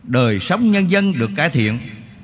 đời sống nhân dân được cải thiện